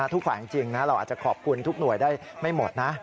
ทุกฝ่ายจริงนะเราอาจจะขอบคุณทุกหน่วยได้ไม่หมดนะ